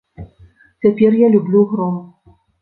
Цяпер я люблю гром.